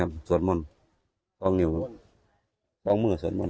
ครับสวดม่นต้องอยู่ต้องมือสวดม่น